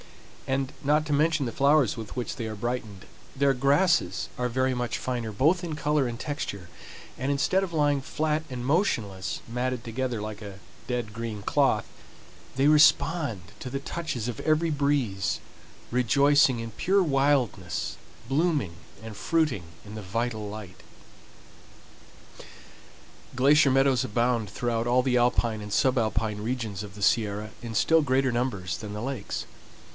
And, not to mention the flowers with which they are brightened, their grasses are very much finer both in color and texture, and instead of lying flat and motionless, matted together like a dead green cloth, they respond to the touches of every breeze, rejoicing in pure wildness, blooming and fruiting in the vital light. Glacier meadows abound throughout all the alpine and subalpine regions of the Sierra in still greater numbers than the lakes.